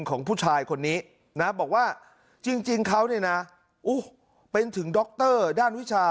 ของผู้ชายคนนี้นะบอกว่าจริงเขาเนี่ยนะเป็นถึงดรด้านวิชา